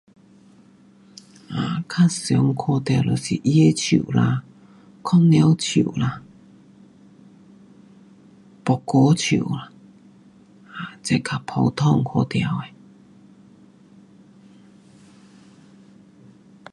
um 较常看到就是他那树啦。番榴树啦，木瓜树啦，um 这较普通看到的。